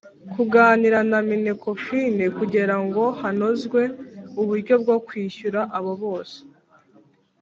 Kuganira na minecofin kugira ngo hanozwe uburyo bwo kwishyura abo bose